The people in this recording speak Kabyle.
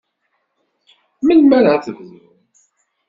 Melmi ara tebduḍ?